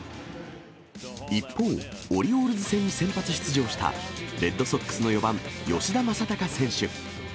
一方、オリオールズ戦に先発出場したレッドソックスの４番吉田正尚選手。